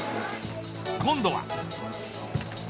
今度は。